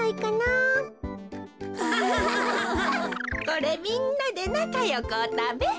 これみんなでなかよくおたべ。